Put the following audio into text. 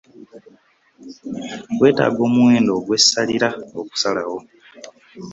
Weetaaga omuwendo ogw'essalira okusalawo.